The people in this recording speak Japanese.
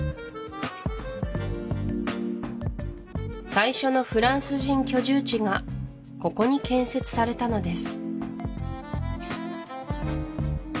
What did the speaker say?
最初のフランス人居住地がここに建設されたのです